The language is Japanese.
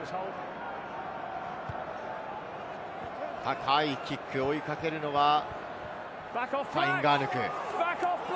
高いキック、追いかけるのはファインガアヌク。